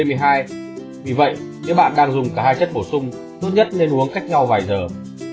vì vậy nếu bạn đang dùng cả hai chất bổ sung tốt nhất nên uống cách nhau vài giờ